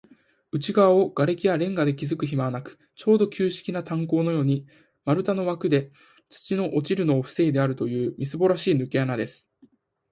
内がわを石がきやレンガできずくひまはなく、ちょうど旧式な炭坑のように、丸太のわくで、土の落ちるのをふせいであるという、みすぼらしいぬけ穴です。